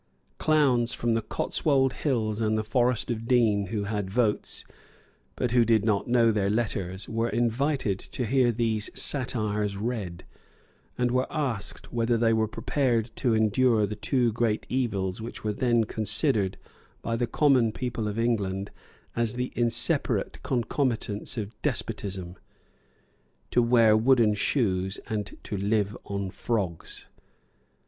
Clowns from the Cotswold Hills and the forest of Dean, who had votes, but who did not know their letters, were invited to hear these satires read, and were asked whether they were prepared to endure the two great evils which were then considered by the common people of England as the inseparable concomitants of despotism, to wear wooden shoes, and to live on frogs.